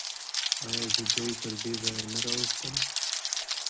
آیا چې دوی یې تر دې ځایه نه راوستل؟